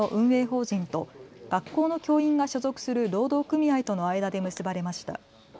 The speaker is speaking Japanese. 法人と学校の教員が所属する労働組合との間で結ばれました。